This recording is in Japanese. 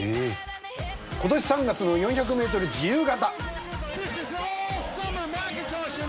今年３月の４００メートル自由形。